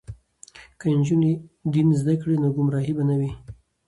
که نجونې دین زده کړي نو ګمراهي به نه وي.